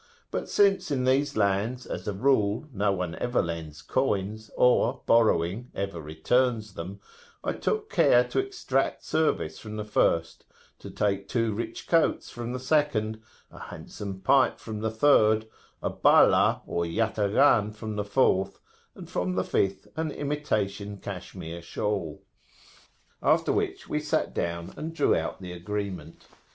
But since in these lands, as a rule, no one ever lends coins, or, borrowing, ever returns them, I took care to exact service from the first, to take two rich coats from the second, a handsome pipe from the third, a "bala" or yataghan from the fourth, and from the fifth an imitation Cashmere shawl. After which, we sat down and drew [p.166]out the agreement.